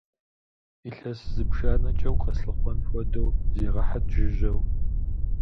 Илъэс зыбжанэкӏэ укъэслъыхъуэн хуэдэу зегъэхьыт жыжьэу!